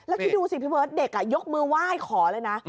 แล้วคิดดูสิพี่เบิร์ตเด็กยกมือไหว้ขอเลยนะ